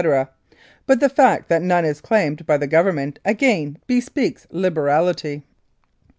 but the fact that none is claimed by the Government again bespeaks liberality.